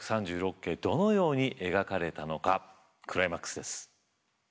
どのように描かれたのかクライマックスです。